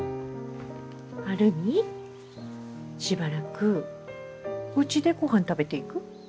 晴海しばらくうちでごはん食べていく？